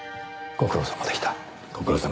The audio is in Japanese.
ご苦労さまでした。